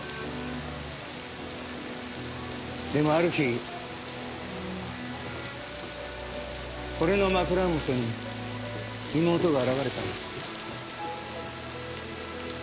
でもある日俺の枕元に妹が現れたんだ。